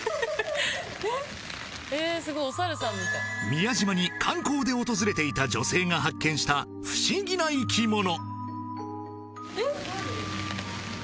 宮島に観光で訪れていた女性が発見した不思議な生き物